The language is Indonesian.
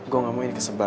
gue nggak mau ini kesebar